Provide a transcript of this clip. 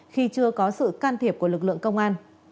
khi chưa có sự can thiệp của lực lượng công an